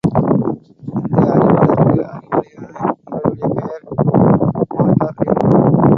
இந்த அறிவாளர்க்கு அறிவாளியான இவருடைய பெயர் மாட்டர் லிங்க்.